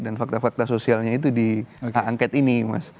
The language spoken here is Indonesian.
dan fakta fakta sosialnya itu di anget ini mas